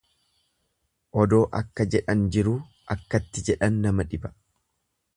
Odoo akka jedhan jiruu akkatti jedhan nama dhiba.